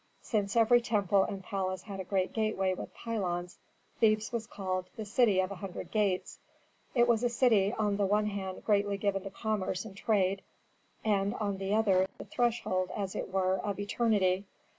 Since every temple and palace had a great gateway with pylons Thebes was called "the city of a hundred gates." It was a city on the one hand greatly given to commerce and trade, and on the other, the threshold, as it were, of eternity.